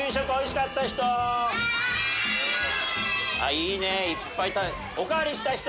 いいねいっぱい。